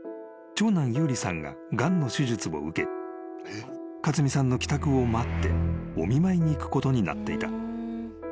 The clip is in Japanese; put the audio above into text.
長男勇梨さんががんの手術を受け勝美さんの帰宅を待ってお見舞いに行くことになっていた］